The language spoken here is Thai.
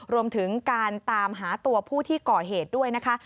รวมถึงการตามหาตัวผู้ที่ก่อเหตุด้วยนะคะ